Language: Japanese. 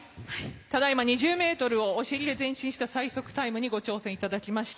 ２０ｍをお尻で前進した最速タイムにご挑戦いただきました。